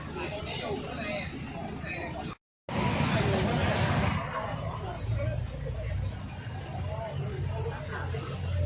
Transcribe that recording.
เมื่อเมื่อเมื่อเมื่อเมื่อ